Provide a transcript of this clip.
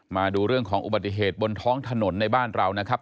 มาดูเรื่องของอุบัติเหตุบนท้องถนนในบ้านเรานะครับ